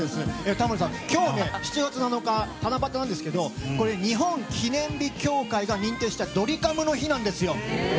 タモリさん、今日７月７日七夕なんですけど日本記念日協会が認定したドリカムの日なんですよ。